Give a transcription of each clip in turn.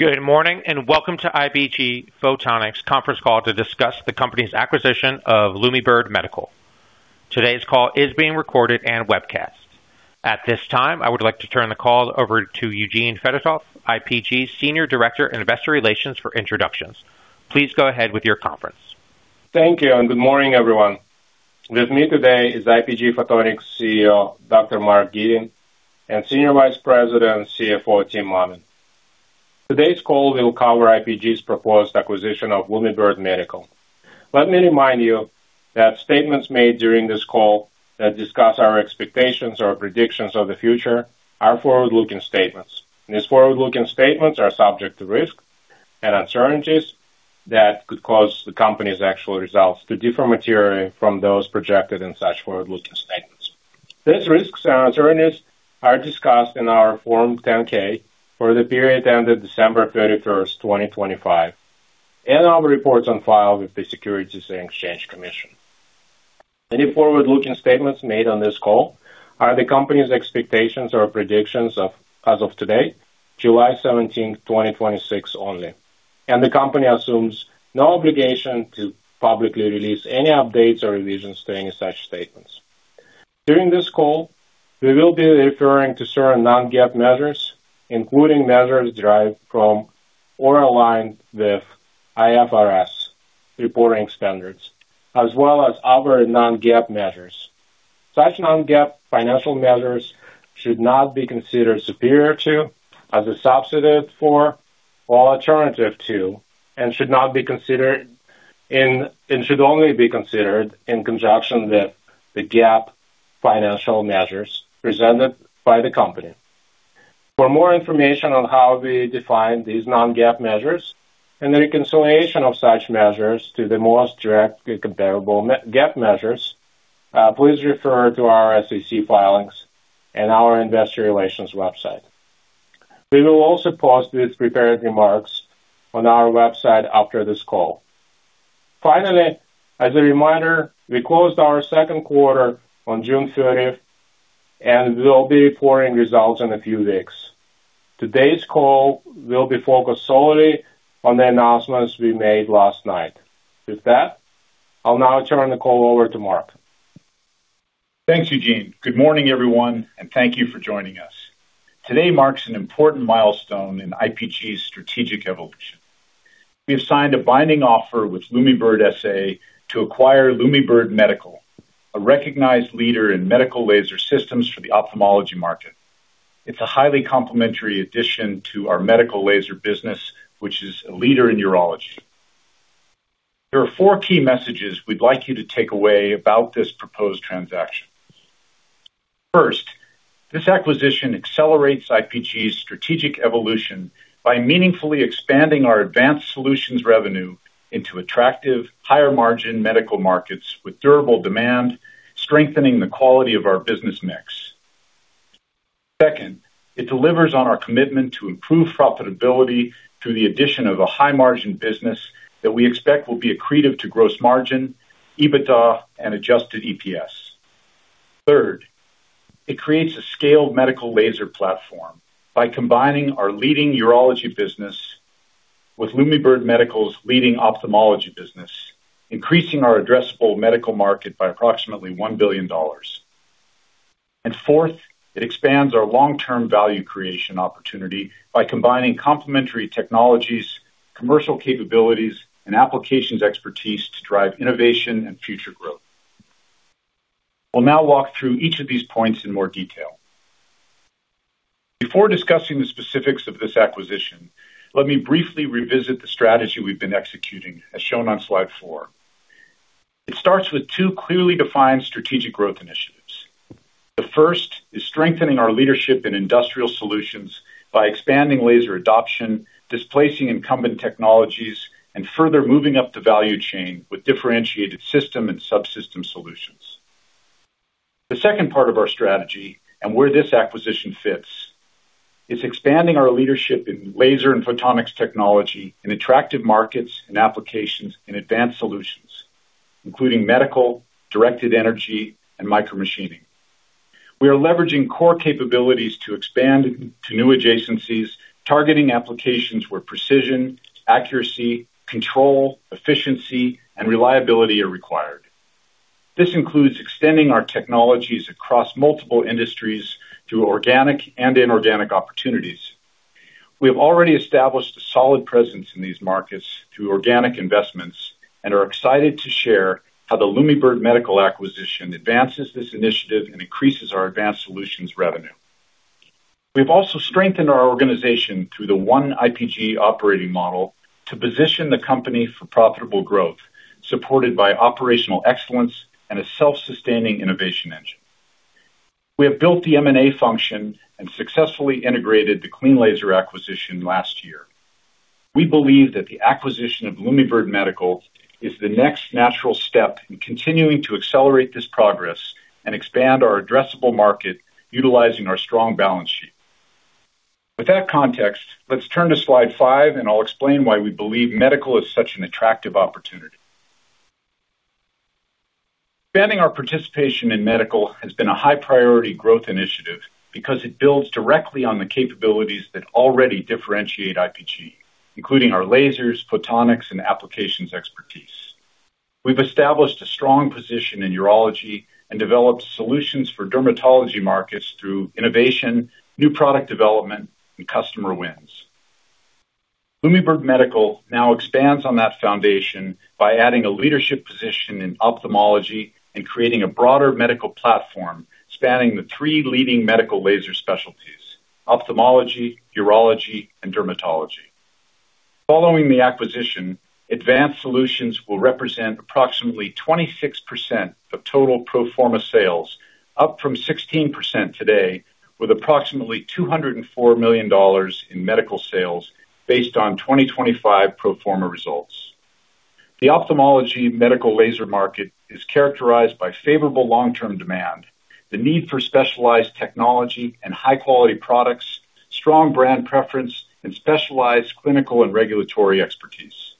Good morning, welcome to IPG Photonics conference call to discuss the company's acquisition of Lumibird Medical. Today's call is being recorded and webcast. At this time, I would like to turn the call over to Eugene Fedotoff, IPG Senior Director, Investor Relations for introductions. Please go ahead with your conference. Thank you, good morning, everyone. With me today is IPG Photonics CEO, Dr. Mark Gitin, and Senior Vice President and CFO, Tim Mammen. Today's call will cover IPG's proposed acquisition of Lumibird Medical. Let me remind you that statements made during this call that discuss our expectations or predictions of the future are forward-looking statements. These forward-looking statements are subject to risk and uncertainties that could cause the company's actual results to differ materially from those projected in such forward-looking statements. These risks and uncertainties are discussed in our Form 10-K for the period ended December 31st, 2025, and our reports on file with the Securities and Exchange Commission. Any forward-looking statements made on this call are the company's expectations or predictions as of today, July 17th, 2026, only. The company assumes no obligation to publicly release any updates or revisions to any such statements. During this call, we will be referring to certain non-GAAP measures, including measures derived from or aligned with IFRS reporting standards, as well as other non-GAAP measures. Such non-GAAP financial measures should not be considered superior to, as a substitute for, or alternative to, and should only be considered in conjunction with the GAAP financial measures presented by the company. For more information on how we define these non-GAAP measures and the reconciliation of such measures to the most directly comparable GAAP measures, please refer to our SEC filings and our investor relations website. We will also post these prepared remarks on our website after this call. Finally, as a reminder, we closed our second quarter on June 30th, and we'll be reporting results in a few weeks. Today's call will be focused solely on the announcements we made last night. With that, I'll now turn the call over to Mark. Thanks, Eugene. Good morning, everyone, and thank you for joining us. Today marks an important milestone in IPG's strategic evolution. We have signed a binding offer with Lumibird SA to acquire Lumibird Medical, a recognized leader in medical laser systems for the ophthalmology market. It's a highly complementary addition to our medical laser business, which is a leader in urology. There are four key messages we'd like you to take away about this proposed transaction. First, this acquisition accelerates IPG's strategic evolution by meaningfully expanding our advanced solutions revenue into attractive higher-margin medical markets with durable demand, strengthening the quality of our business mix. Second, it delivers on our commitment to improve profitability through the addition of a high-margin business that we expect will be accretive to gross margin, EBITDA, and adjusted EPS. Third, it creates a scaled medical laser platform by combining our leading urology business with Lumibird Medical's leading ophthalmology business, increasing our addressable medical market by approximately $1 billion. Fourth, it expands our long-term value creation opportunity by combining complementary technologies, commercial capabilities, and applications expertise to drive innovation and future growth. We'll now walk through each of these points in more detail. Before discussing the specifics of this acquisition, let me briefly revisit the strategy we've been executing, as shown on slide four. It starts with two clearly defined strategic growth initiatives. The first is strengthening our leadership in industrial solutions by expanding laser adoption, displacing incumbent technologies, and further moving up the value chain with differentiated system and subsystem solutions. The second part of our strategy, and where this acquisition fits, is expanding our leadership in laser and photonics technology in attractive markets and applications in advanced solutions, including medical, directed energy, and micromachining. We are leveraging core capabilities to expand to new adjacencies, targeting applications where precision, accuracy, control, efficiency, and reliability are required. This includes extending our technologies across multiple industries through organic and inorganic opportunities. We have already established a solid presence in these markets through organic investments and are excited to share how the Lumibird Medical acquisition advances this initiative and increases our advanced solutions revenue. We've also strengthened our organization through the One-IPG operating model to position the company for profitable growth, supported by operational excellence and a self-sustaining innovation engine. We have built the M&A function and successfully integrated the cleanLASER acquisition last year. We believe that the acquisition of Lumibird Medical is the next natural step in continuing to accelerate this progress and expand our addressable market utilizing our strong balance sheet. With that context, let's turn to slide five, and I'll explain why we believe medical is such an attractive opportunity. Expanding our participation in medical has been a high priority growth initiative because it builds directly on the capabilities that already differentiate IPG, including our lasers, photonics, and applications expertise. We've established a strong position in urology and developed solutions for dermatology markets through innovation, new product development, and customer wins. Lumibird Medical now expands on that foundation by adding a leadership position in ophthalmology and creating a broader medical platform spanning the three leading medical laser specialties: ophthalmology, urology, and dermatology. Following the acquisition, advanced solutions will represent approximately 26% of total pro forma sales, up from 16% today, with approximately $204 million in medical sales based on 2025 pro forma results. The ophthalmology medical laser market is characterized by favorable long-term demand, the need for specialized technology and high-quality products, strong brand preference, and specialized clinical and regulatory expertise.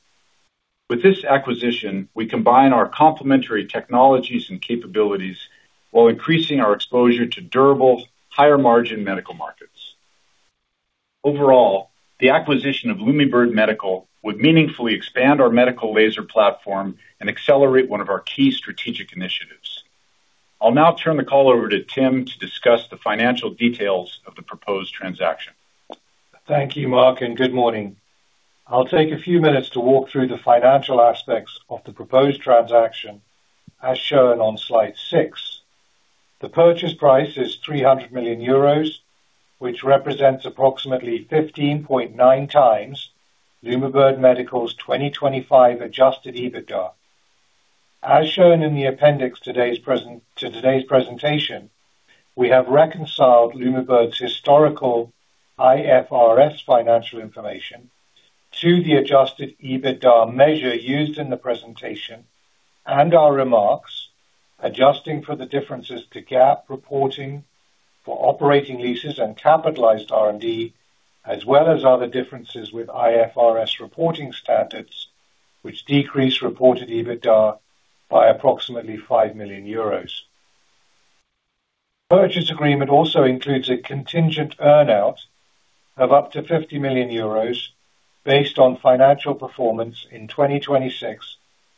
With this acquisition, we combine our complementary technologies and capabilities while increasing our exposure to durable, higher margin medical markets. Overall, the acquisition of Lumibird Medical would meaningfully expand our medical laser platform and accelerate one of our key strategic initiatives. I'll now turn the call over to Tim to discuss the financial details of the proposed transaction. Thank you, Mark, and good morning. I'll take a few minutes to walk through the financial aspects of the proposed transaction, as shown on slide six. The purchase price is 300 million euros, which represents approximately 15.9x Lumibird Medical's 2025 adjusted EBITDA. As shown in the appendix to today's presentation, we have reconciled Lumibird's historical IFRS financial information to the adjusted EBITDA measure used in the presentation and our remarks, adjusting for the differences to GAAP reporting for operating leases and capitalized R&D, as well as other differences with IFRS reporting standards, which decrease reported EBITDA by approximately 5 million euros. Purchase agreement also includes a contingent earn-out of up to 50 million euros based on financial performance in 2026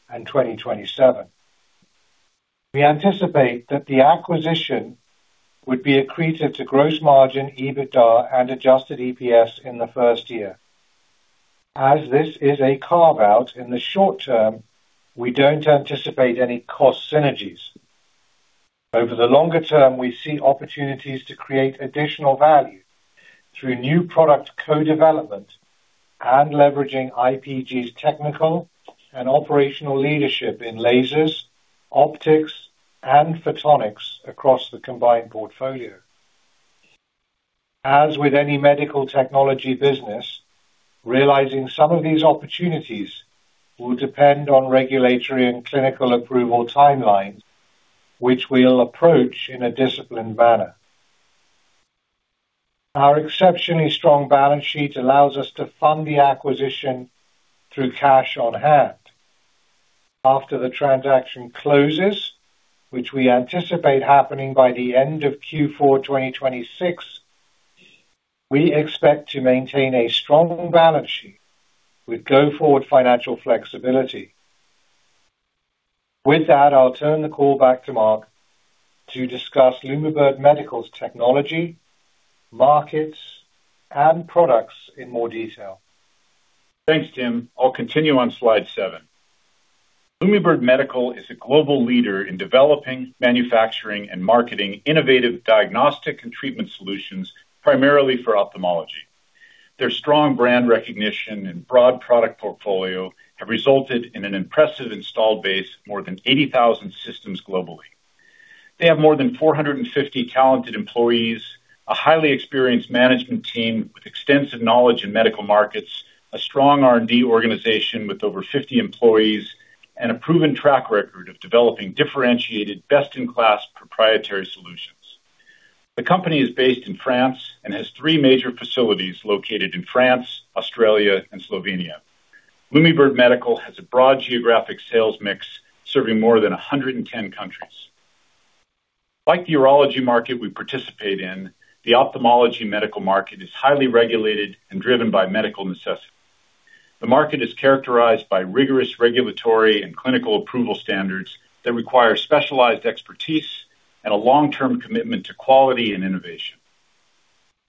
and 2027. We anticipate that the acquisition would be accretive to gross margin, EBITDA, and adjusted EPS in the first year. As this is a carve-out in the short term, we don't anticipate any cost synergies. Over the longer term, we see opportunities to create additional value through new product co-development and leveraging IPG's technical and operational leadership in lasers, optics, and photonics across the combined portfolio. As with any medical technology business, realizing some of these opportunities will depend on regulatory and clinical approval timelines, which we'll approach in a disciplined manner. Our exceptionally strong balance sheet allows us to fund the acquisition through cash on hand. After the transaction closes, which we anticipate happening by the end of Q4 2026, we expect to maintain a strong balance sheet with go-forward financial flexibility. With that, I'll turn the call back to Mark to discuss Lumibird Medical's technology, markets, and products in more detail. Thanks, Tim. I'll continue on slide seven. Lumibird Medical is a global leader in developing, manufacturing, and marketing innovative diagnostic and treatment solutions, primarily for ophthalmology. Their strong brand recognition and broad product portfolio have resulted in an impressive installed base of more than 80,000 systems globally. They have more than 450 talented employees, a highly experienced management team with extensive knowledge in medical markets, a strong R&D organization with over 50 employees, and a proven track record of developing differentiated, best-in-class proprietary solutions. The company is based in France and has three major facilities located in France, Australia, and Slovenia. Lumibird Medical has a broad geographic sales mix, serving more than 110 countries. Like the urology market we participate in, the ophthalmology medical market is highly regulated and driven by medical necessity. The market is characterized by rigorous regulatory and clinical approval standards that require specialized expertise and a long-term commitment to quality and innovation.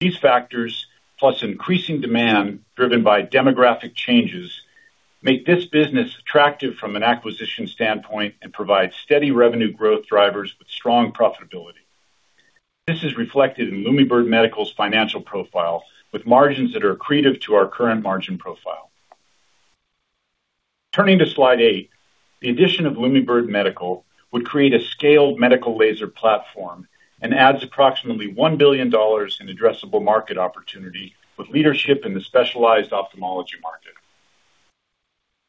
These factors, plus increasing demand driven by demographic changes, make this business attractive from an acquisition standpoint and provide steady revenue growth drivers with strong profitability. This is reflected in Lumibird Medical's financial profile, with margins that are accretive to our current margin profile. Turning to slide eight. The addition of Lumibird Medical would create a scaled medical laser platform and adds approximately $1 billion in addressable market opportunity, with leadership in the specialized ophthalmology market.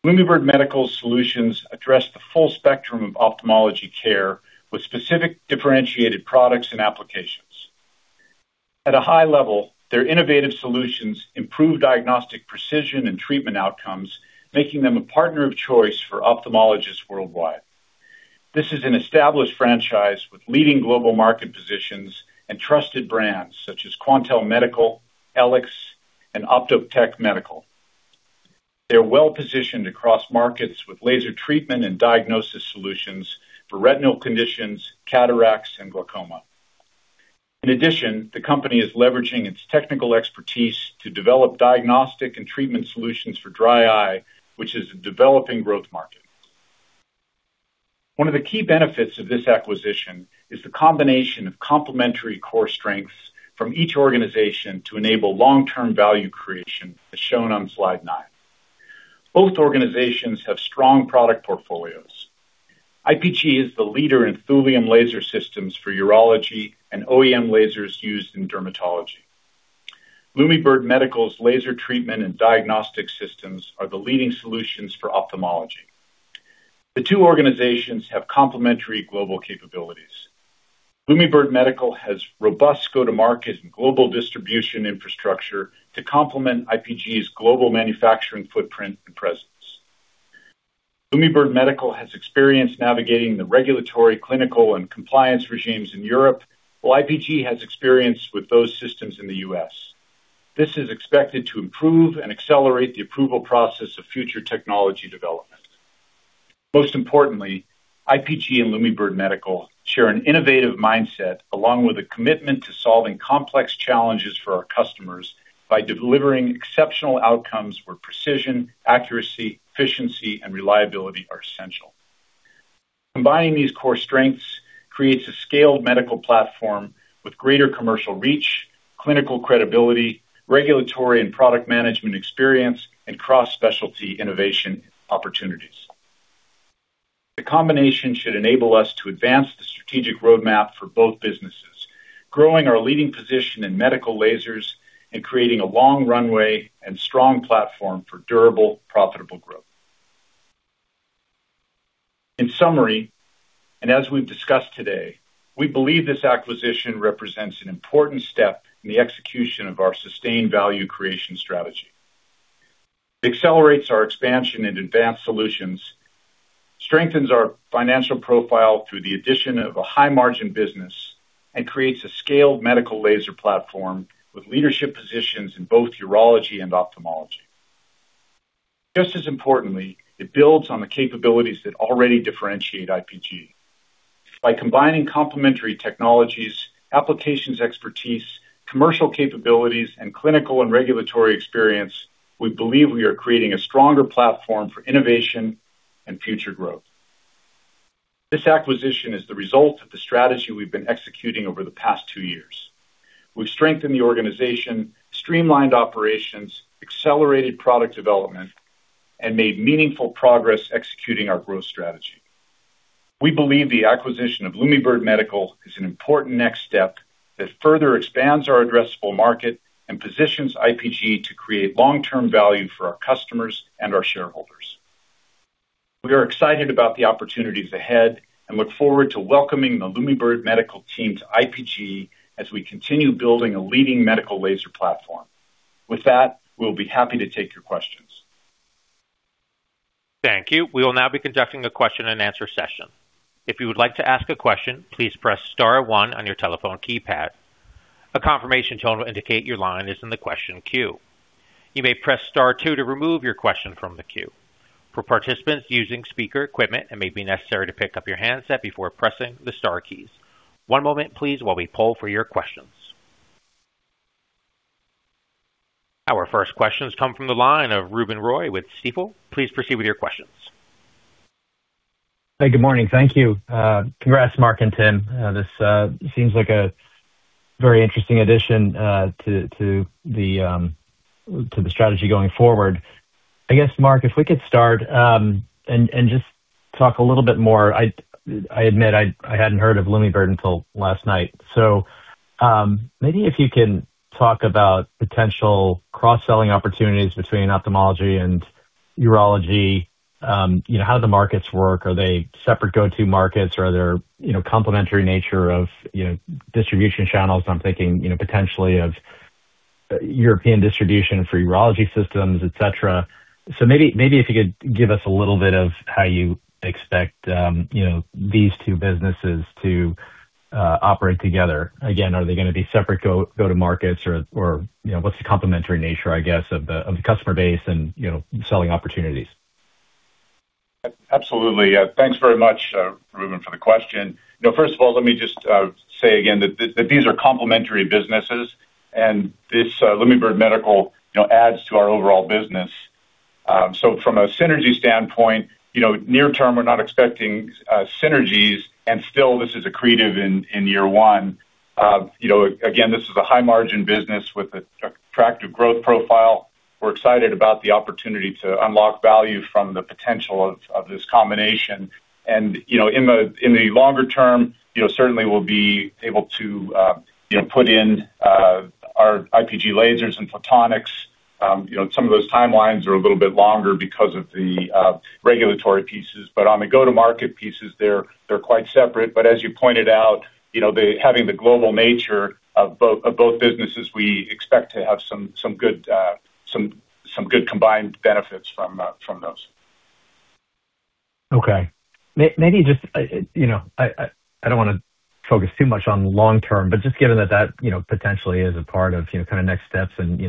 Lumibird Medical Solutions address the full spectrum of ophthalmology care with specific differentiated products and applications. At a high level, their innovative solutions improve diagnostic precision and treatment outcomes, making them a partner of choice for ophthalmologists worldwide. This is an established franchise with leading global market positions and trusted brands such as Quantel Medical, Ellex, and Optotek Medical. They're well-positioned across markets with laser treatment and diagnosis solutions for retinal conditions, cataracts, and glaucoma. In addition, the company is leveraging its technical expertise to develop diagnostic and treatment solutions for dry eye, which is a developing growth market. One of the key benefits of this acquisition is the combination of complementary core strengths from each organization to enable long-term value creation, as shown on slide nine. Both organizations have strong product portfolios. IPG is the leader in thulium laser systems for urology and OEM lasers used in dermatology. Lumibird Medical's laser treatment and diagnostic systems are the leading solutions for ophthalmology. The two organizations have complementary global capabilities. Lumibird Medical has robust go-to-market and global distribution infrastructure to complement IPG's global manufacturing footprint and presence. Lumibird Medical has experience navigating the regulatory, clinical, and compliance regimes in Europe, while IPG has experience with those systems in the U.S. This is expected to improve and accelerate the approval process of future technology development. Most importantly, IPG and Lumibird Medical share an innovative mindset along with a commitment to solving complex challenges for our customers by delivering exceptional outcomes where precision, accuracy, efficiency, and reliability are essential. Combining these core strengths creates a scaled medical platform with greater commercial reach, clinical credibility, regulatory and product management experience, and cross-specialty innovation opportunities. The combination should enable us to advance the strategic roadmap for both businesses, growing our leading position in medical lasers and creating a long runway and strong platform for durable, profitable growth. In summary, as we've discussed today, we believe this acquisition represents an important step in the execution of our sustained value creation strategy. It accelerates our expansion in advanced solutions, strengthens our financial profile through the addition of a high-margin business, and creates a scaled medical laser platform with leadership positions in both urology and ophthalmology. Just as importantly, it builds on the capabilities that already differentiate IPG. By combining complementary technologies, applications expertise, commercial capabilities, and clinical and regulatory experience, we believe we are creating a stronger platform for innovation and future growth. This acquisition is the result of the strategy we've been executing over the past two years. We've strengthened the organization, streamlined operations, accelerated product development, and made meaningful progress executing our growth strategy. We believe the acquisition of Lumibird Medical is an important next step that further expands our addressable market and positions IPG to create long-term value for our customers and our shareholders. We are excited about the opportunities ahead and look forward to welcoming the Lumibird Medical team to IPG as we continue building a leading medical laser platform. With that, we'll be happy to take your questions. Thank you. We will now be conducting a question and answer session. If you would like to ask a question, please press star one on your telephone keypad. A confirmation tone will indicate your line is in the question queue. You may press star two to remove your question from the queue. For participants using speaker equipment, it may be necessary to pick up your handset before pressing the star keys. One moment, please, while we poll for your questions. Our first questions come from the line of Ruben Roy with Stifel. Please proceed with your questions. Hey, good morning. Thank you. Congrats, Mark and Tim. This seems like a very interesting addition to the strategy going forward. I guess, Mark, if we could start and just talk a little bit more. I admit, I hadn't heard of Lumibird until last night. Maybe if you can talk about potential cross-selling opportunities between ophthalmology and urology. How do the markets work? Are they separate go-to markets or are there complementary nature of distribution channels? I'm thinking potentially of European distribution for urology systems, et cetera. Maybe if you could give us a little bit of how you expect these two businesses to operate together. Again, are they going to be separate go-to markets or what's the complementary nature, I guess, of the customer base and selling opportunities? Absolutely. Thanks very much, Ruben, for the question. First of all, let me just say again that these are complementary businesses, and this Lumibird Medical adds to our overall business. From a synergy standpoint, near term, we're not expecting synergies, and still this is accretive in year one. Again, this is a high-margin business with an attractive growth profile. We're excited about the opportunity to unlock value from the potential of this combination. In the longer term, certainly we'll be able to put in our IPG lasers and photonics. Some of those timelines are a little bit longer because of the regulatory pieces, but on the go-to-market pieces, they're quite separate. As you pointed out, having the global nature of both businesses, we expect to have some good combined benefits from those. Okay. I don't want to focus too much on long-term, just given that potentially is a part of next steps, and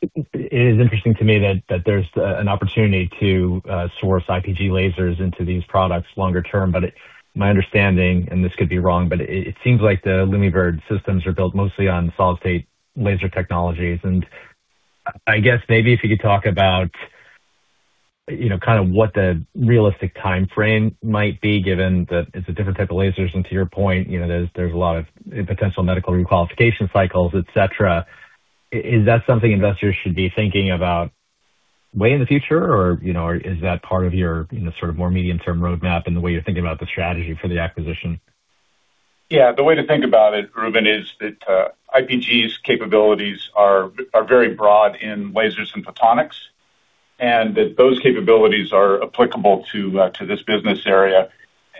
it is interesting to me that there's an opportunity to source IPG lasers into these products longer term. My understanding, and this could be wrong, it seems like the Lumibird systems are built mostly on solid state laser technologies. I guess maybe if you could talk about what the realistic timeframe might be, given that it's a different type of lasers. To your point, there's a lot of potential medical requalification cycles, et cetera. Is that something investors should be thinking about way in the future, or is that part of your more medium-term roadmap and the way you're thinking about the strategy for the acquisition? Yeah, the way to think about it, Ruben, is that IPG's capabilities are very broad in lasers and photonics, and that those capabilities are applicable to this business area.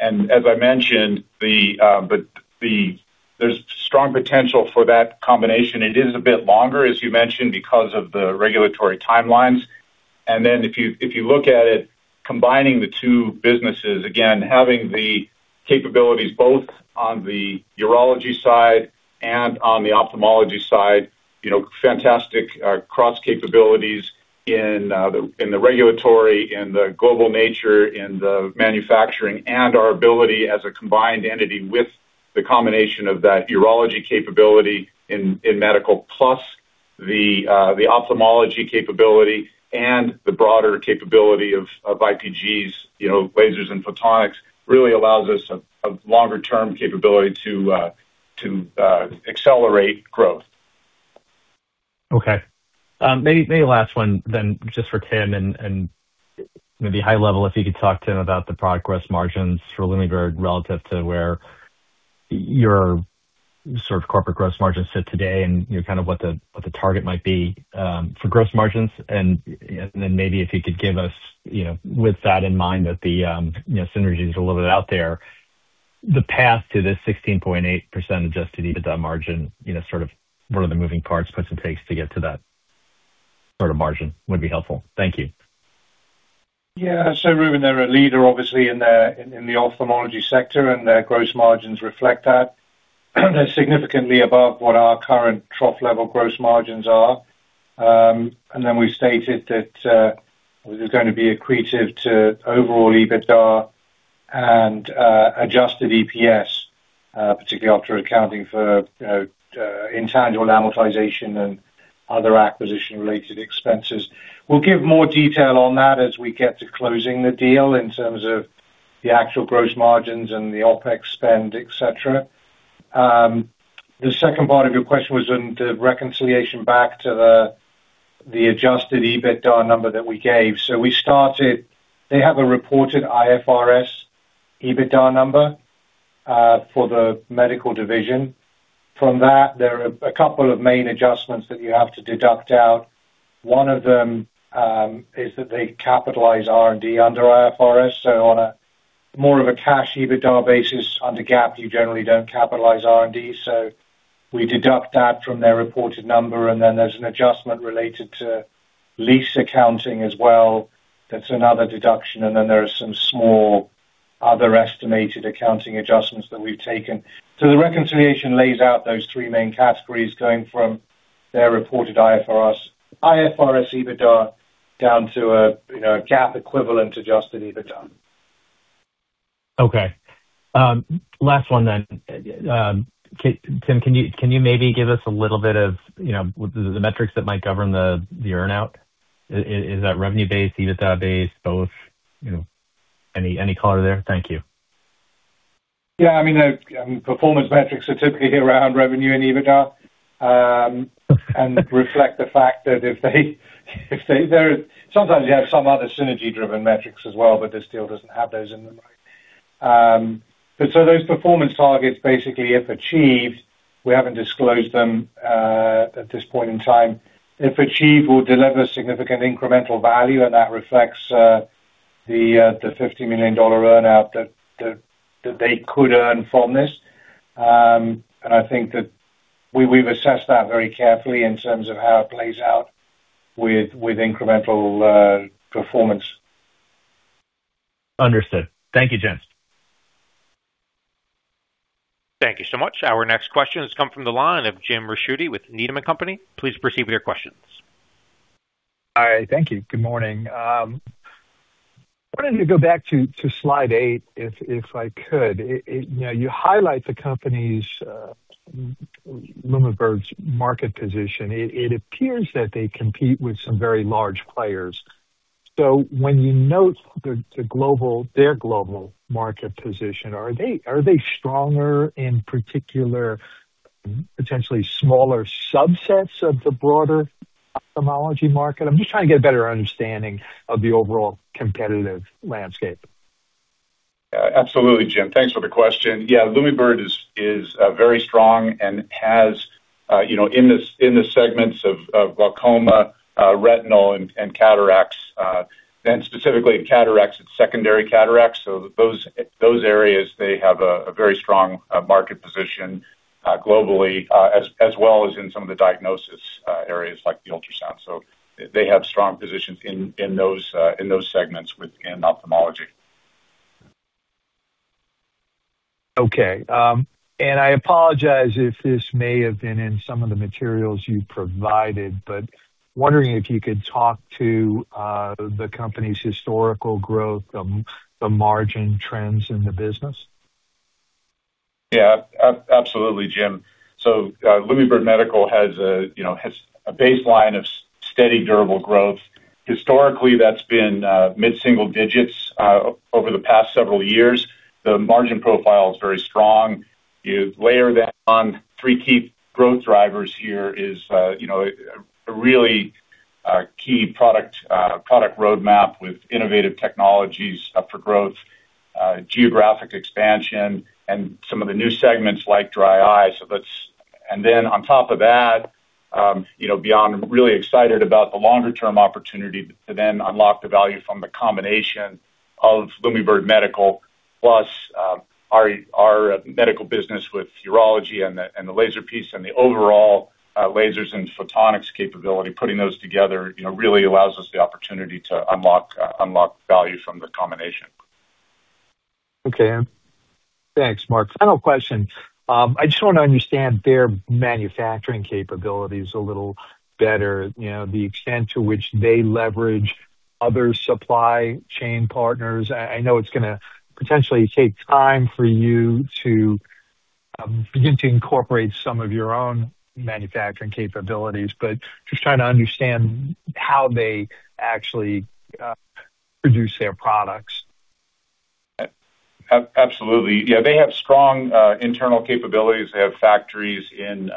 As I mentioned, there's strong potential for that combination. It is a bit longer, as you mentioned, because of the regulatory timelines. If you look at it, combining the two businesses, again, having the capabilities both on the urology side and on the ophthalmology side, fantastic cross capabilities in the regulatory, in the global nature, in the manufacturing, and our ability as a combined entity with the combination of that urology capability in medical, plus the ophthalmology capability and the broader capability of IPG's lasers and photonics, really allows us a longer-term capability to accelerate growth. Okay. Maybe last one then, just for Tim, and maybe high level, if you could talk to about the progress margins for Lumibird relative to where your corporate gross margins sit today and what the target might be for gross margins. Maybe if you could give us, with that in mind, that the synergy is a little bit out there, the path to this 16.8% adjusted EBITDA margin, what are the moving parts, puts and takes to get to that sort of margin would be helpful. Thank you. Yeah. Ruben, they're a leader, obviously, in the ophthalmology sector, and their gross margins reflect that. They're significantly above what our current trough level gross margins are. We stated that this is going to be accretive to overall EBITDA and adjusted EPS, particularly after accounting for intangible amortization and other acquisition-related expenses. We'll give more detail on that as we get to closing the deal in terms of the actual gross margins and the OpEx spend, et cetera. The second part of your question was on the reconciliation back to the adjusted EBITDA number that we gave. We started, they have a reported IFRS EBITDA number, for the medical division. From that, there are a couple of main adjustments that you have to deduct out. One of them, is that they capitalize R&D under IFRS. On a more of a cash EBITDA basis, under GAAP, you generally don't capitalize R&D. We deduct that from their reported number, then there's an adjustment related to lease accounting as well. That's another deduction. There are some small other estimated accounting adjustments that we've taken. The reconciliation lays out those three main categories, going from their reported IFRS EBITDA down to a GAAP equivalent adjusted EBITDA. Okay. Last one. Tim, can you maybe give us a little bit of the metrics that might govern the earn-out? Is that revenue-based, EBITDA-based, both? Any color there? Thank you. Yeah. Performance metrics are typically around revenue and EBITDA, reflect the fact that sometimes you have some other synergy-driven metrics as well, this deal doesn't have those in them. Those performance targets basically, if achieved, we haven't disclosed them at this point in time. If achieved, will deliver significant incremental value, that reflects the $50 million earn-out that they could earn from this. I think that we've assessed that very carefully in terms of how it plays out with incremental performance. Understood. Thank you, gents. Thank you so much. Our next question has come from the line of Jim Ricchiuti with Needham & Company. Please proceed with your questions. All right. Thank you. Good morning. I wanted to go back to slide eight, if I could. You highlight the company's, Lumibird's market position. It appears that they compete with some very large players. When you note their global market position, are they stronger in particular, potentially smaller subsets of the broader ophthalmology market? I am just trying to get a better understanding of the overall competitive landscape. Absolutely, Jim. Thanks for the question. Yeah. Lumibird is very strong and has, in the segments of glaucoma, retinal, and cataracts, and specifically in cataracts, it's secondary cataracts. Those areas, they have a very strong market position globally, as well as in some of the diagnosis areas like the ultrasound. They have strong positions in those segments within ophthalmology. Okay. I apologize if this may have been in some of the materials you provided, but I am wondering if you could talk to the company's historical growth, the margin trends in the business. Absolutely, Jim. Lumibird Medical has a baseline of steady, durable growth. Historically, that's been mid-single digits over the past several years. The margin profile is very strong. You layer that on three key growth drivers here is a really key product roadmap with innovative technologies up for growth, geographic expansion, and some of the new segments like dry eyes. On top of that, beyond really excited about the longer-term opportunity to then unlock the value from the combination of Lumibird Medical plus our medical business with urology and the laser piece and the overall lasers and photonics capability. Putting those together really allows us the opportunity to unlock value from the combination. Okay. Thanks, Mark. Final question. I just want to understand their manufacturing capabilities a little better, the extent to which they leverage other supply chain partners. I know it's going to potentially take time for you to begin to incorporate some of your own manufacturing capabilities, but just trying to understand how they actually produce their products. Absolutely. They have strong internal capabilities. They have factories in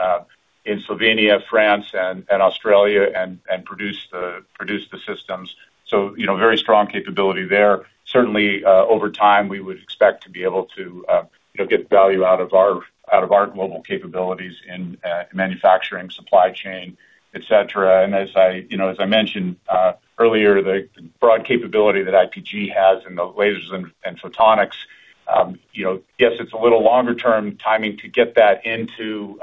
Slovenia, France, and Australia, and produce the systems. Very strong capability there. Certainly, over time, we would expect to be able to get value out of our global capabilities in manufacturing, supply chain, et cetera. As I mentioned earlier, the broad capability that IPG has in the lasers and photonics, yes, it's a little longer-term timing to get that into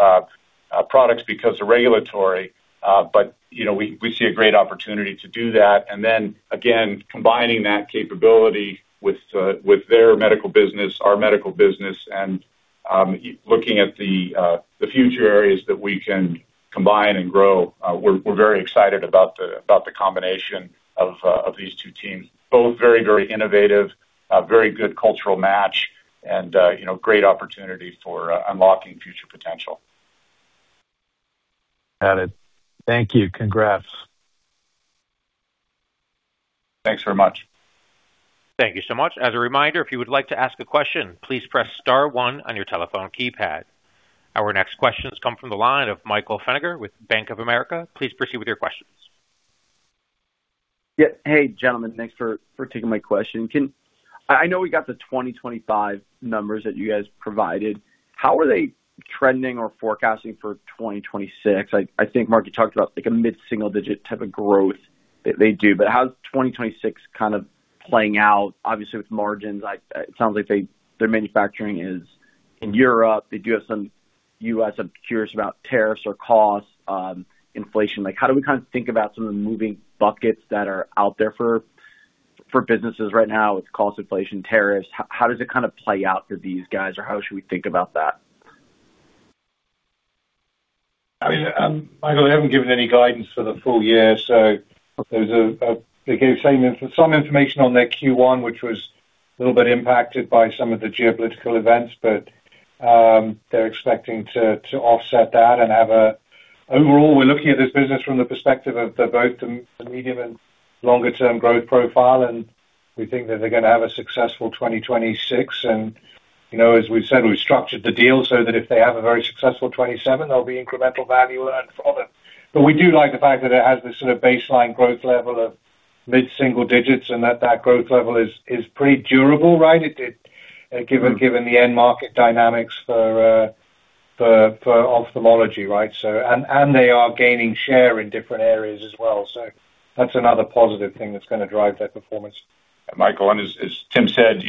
products because of regulatory, but we see a great opportunity to do that. Again, combining that capability with their medical business, our medical business, and looking at the future areas that we can combine and grow. We're very excited about the combination of these two teams, both very innovative, very good cultural match, and great opportunity for unlocking future potential. Got it. Thank you. Congrats. Thanks very much. Thank you so much. As a reminder, if you would like to ask a question, please press star one on your telephone keypad. Our next question has come from the line of Michael Feniger with Bank of America. Please proceed with your questions. Yeah. Hey, gentlemen. Thanks for taking my question. I know we got the 2025 numbers that you guys provided. How are they trending or forecasting for 2026? I think Mark, you talked about like a mid-single digit type of growth that they do, but how's 2026 kind of playing out? Obviously, with margins, it sounds like their manufacturing is in Europe. They do have some U.S. I'm curious about tariffs or costs, inflation. How do we kind of think about some of the moving buckets that are out there for businesses right now with cost inflation, tariffs? How does it kind of play out for these guys, or how should we think about that? I mean, Michael, they haven't given any guidance for the full year. They gave some information on their Q1, which was a little bit impacted by some of the geopolitical events. They're expecting to offset that and have a Overall, we're looking at this business from the perspective of both the medium and longer-term growth profile, and we think that they're going to have a successful 2026. As we've said, we've structured the deal so that if they have a very successful 2027, there'll be incremental value earned for them. We do like the fact that it has this sort of baseline growth level of mid-single digits and that that growth level is pretty durable, right? Given the end market dynamics for ophthalmology, right? They are gaining share in different areas as well, so that's another positive thing that's going to drive their performance. Michael, as Tim said,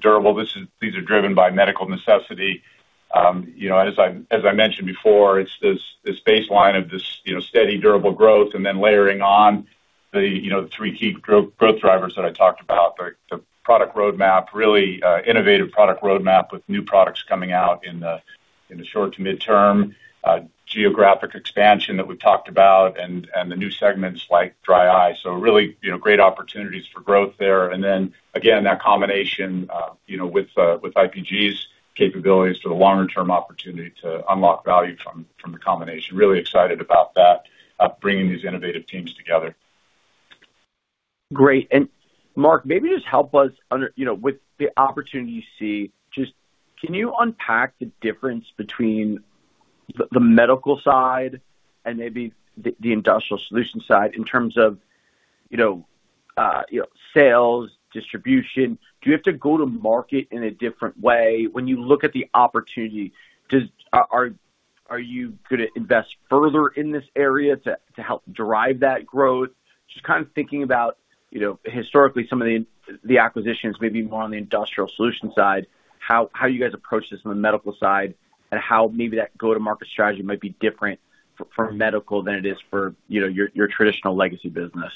durable. These are driven by medical necessity. As I mentioned before, it's this baseline of this steady, durable growth layering on the three key growth drivers that I talked about. The product roadmap, really innovative product roadmap with new products coming out in the short to midterm, geographic expansion that we've talked about, and the new segments like dry eye. Really great opportunities for growth there. Again, that combination with IPG's capabilities for the longer-term opportunity to unlock value from the combination. Really excited about that, bringing these innovative teams together. Great. Mark, maybe just help us with the opportunity you see, just can you unpack the difference between the medical side and maybe the industrial solution side in terms of sales distribution, do you have to go to market in a different way when you look at the opportunity? Are you going to invest further in this area to help drive that growth? Just thinking about historically some of the acquisitions, maybe more on the industrial solution side, how you guys approach this on the medical side and how maybe that go-to-market strategy might be different for medical than it is for your traditional legacy business?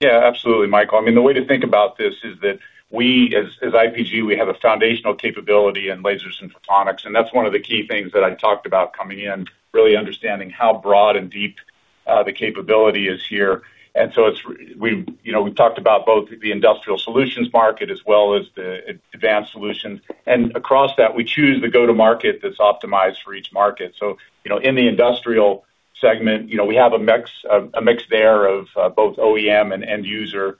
Yeah, absolutely, Michael. The way to think about this is that we as IPG, we have a foundational capability in lasers and photonics, that's one of the key things that I talked about coming in, really understanding how broad and deep the capability is here. We've talked about both the industrial solutions market as well as the advanced solutions. Across that, we choose the go-to-market that's optimized for each market. In the industrial segment, we have a mix there of both OEM and end user.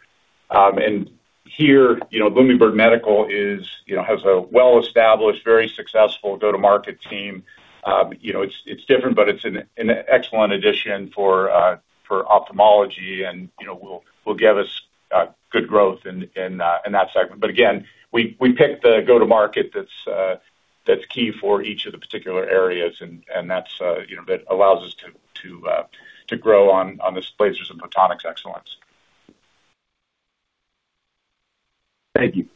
Here, Lumibird Medical has a well-established, very successful go-to-market team. It's different, it's an excellent addition for ophthalmology and will give us good growth in that segment. Again, we pick the go-to-market that's key for each of the particular areas, that allows us to grow on this lasers and photonics excellence. Thank you.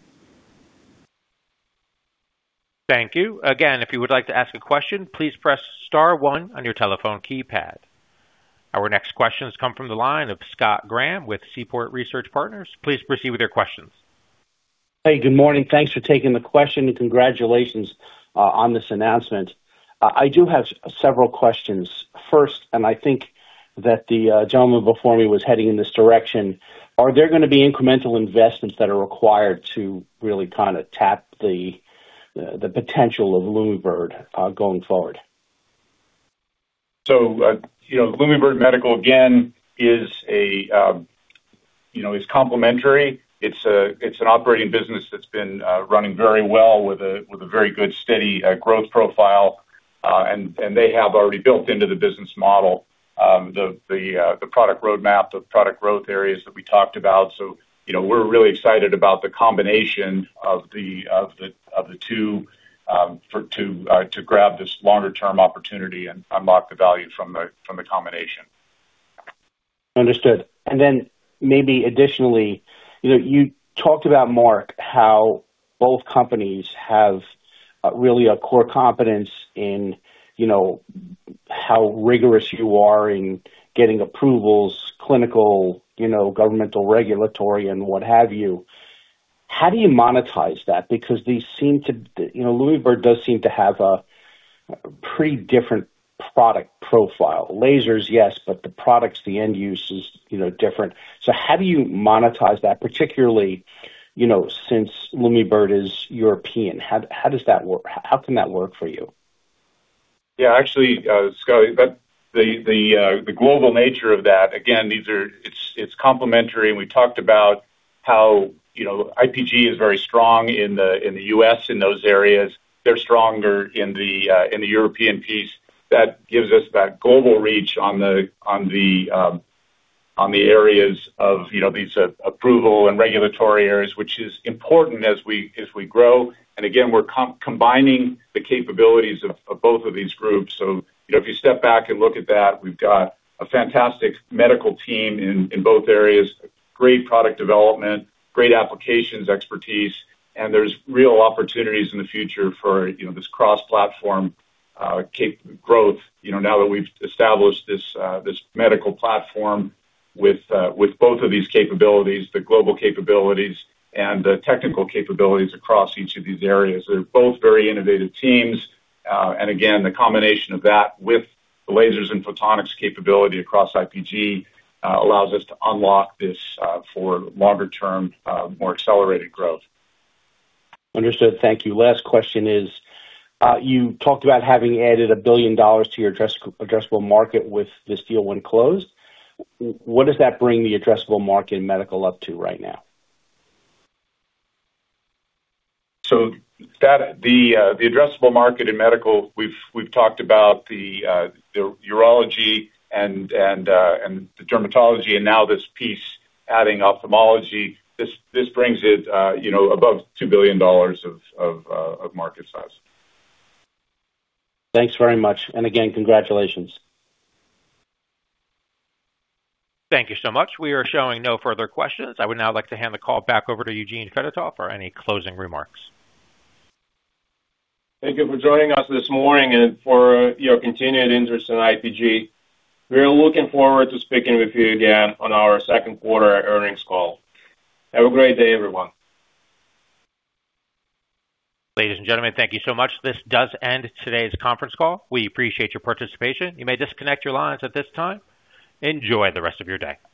Thank you. Again, if you would like to ask a question, please press star one on your telephone keypad. Our next question has come from the line of Scott Graham with Seaport Research Partners. Please proceed with your questions. Hey, good morning. Thanks for taking the question. Congratulations on this announcement. I do have several questions. First, I think that the gentleman before me was heading in this direction, are there going to be incremental investments that are required to really tap the potential of Lumibird going forward? Lumibird Medical, again, is complementary. It's an operating business that's been running very well with a very good, steady growth profile. They have already built into the business model the product roadmap, the product growth areas that we talked about. We're really excited about the combination of the two to grab this longer-term opportunity and unlock the value from the combination. Understood. Then maybe additionally, you talked about, Mark, how both companies have really a core competence in how rigorous you are in getting approvals, clinical, governmental, regulatory, and what have you. How do you monetize that? Lumibird does seem to have a pretty different product profile. Lasers, yes, but the products, the end use is different. How do you monetize that, particularly, since Lumibird is European? How can that work for you? Actually, Scott, the global nature of that, again, it's complementary, and we talked about how IPG is very strong in the U.S. in those areas. They're stronger in the European piece. That gives us that global reach on the areas of these approval and regulatory areas, which is important as we grow. Again, we're combining the capabilities of both of these groups. If you step back and look at that, we've got a fantastic medical team in both areas, great product development, great applications expertise, and there's real opportunities in the future for this cross-platform growth now that we've established this medical platform with both of these capabilities, the global capabilities, and the technical capabilities across each of these areas. They're both very innovative teams. The combination of that with the lasers and photonics capability across IPG allows us to unlock this for longer-term, more accelerated growth. Understood. Thank you. Last question is, you talked about having added $1 billion to your addressable market with this deal when closed. What does that bring the addressable market in medical up to right now? The addressable market in medical, we've talked about the urology and the dermatology, and now this piece adding ophthalmology. This brings it above $2 billion of market size. Thanks very much. Again, congratulations. Thank you so much. We are showing no further questions. I would now like to hand the call back over to Eugene Fedotoff for any closing remarks. Thank you for joining us this morning and for your continued interest in IPG. We are looking forward to speaking with you again on our second quarter earnings call. Have a great day, everyone. Ladies and gentlemen, thank you so much. This does end today's conference call. We appreciate your participation. You may disconnect your lines at this time. Enjoy the rest of your day.